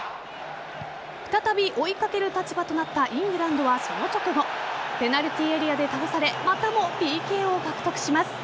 再び、追いかける立場となったイングランドはその直後ペナルティーエリアで倒されまたもＰＫを獲得します。